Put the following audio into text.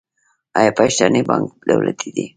آیا پښتني بانک دولتي دی؟